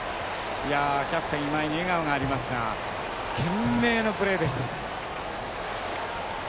キャプテン今井に笑顔がありますが懸命のプレーでした。